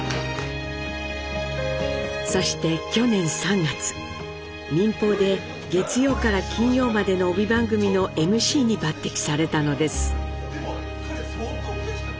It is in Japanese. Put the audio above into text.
そして去年３月民放で月曜から金曜までの帯番組のＭＣに抜てきされたのです。